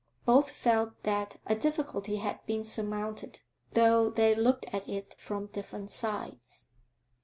Both felt that a difficulty had been surmounted, though they looked at it from different sides.